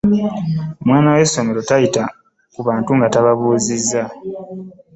Omwana we ssomero tayita ku bantu nga tababuuzizza.